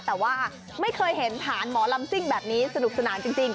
แต่ว่าไม่เคยเห็นฐานหมอลำซิ่งแบบนี้สนุกสนานจริง